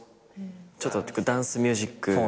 ちょっとダンスミュージック。